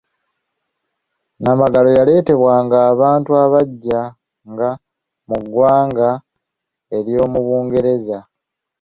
Nnamagalo eyaleetebwanga abantu abajjanga mu ggwanga eryo mu lungereza.